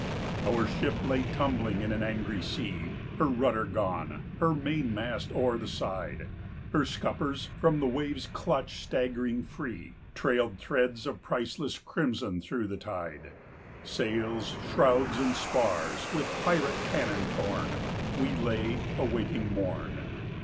] Our ship lay tumbling in an angry sea, Her rudder gone, her mainmast o'er the side; Her scuppers, from the waves' clutch staggering free, Trailed threads of priceless crimson through the tide; Sails, shrouds, and spars with pirate cannon torn, 5 We lay, awaiting morn.